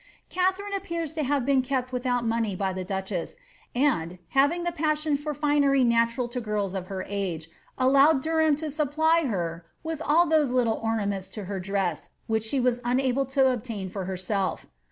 Katharine appears to have been kept without money by the duchess, snd, having the passion for finery natural to girls of her age, allowed Derham to supply her with all those little ornaments to her dress which •be was unable to obtain for herself.